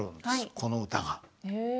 この歌が。